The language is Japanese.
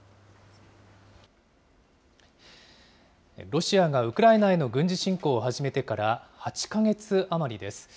ロシアがウクライナへの軍事侵攻を始めてから８か月余りです。